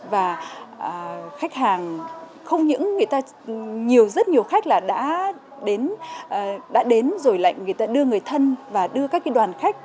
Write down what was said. và khách hàng không những người ta nhiều rất nhiều khách là đã đến rồi lại người ta đưa người thân và đưa các cái đoàn khách